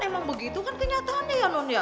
emang begitu kan kenyataannya ya non ya